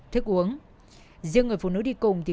phạm giống mạnh